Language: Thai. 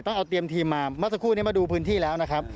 ต้องเอาเตรียมทีมมาเมื่อสักครู่นี้มาดูพื้นที่แล้วนะครับ